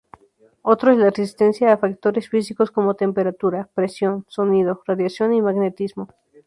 Otro es la resistencia a factores físicos como temperatura, presión, sonido, radiación y magnetismo.